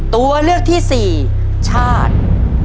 ตัวเลือกที่๔ชาติ